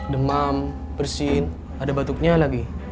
demam bersin ada batuknya lagi